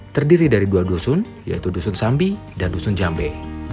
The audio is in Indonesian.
terdiri dari dua dusun yaitu dusun sambi dan dusun jambe